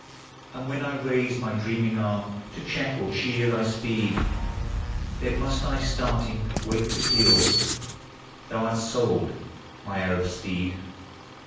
And when I raise my dreaming arm to check or cheer thy speed, Then must I, starting, wake to feel, — thou 'rt sold, my Arab steed!